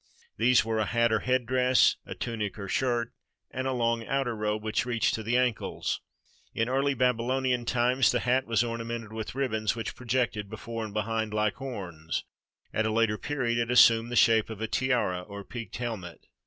These were a hat or head dress, a tunic or shirt, and a long outer robe which reached to the ankles. In early Babylonian times the hat was orna mented with ribbons which projected before and behind like horns; at a later period it assumed the shape of a tiara or peaked helmet.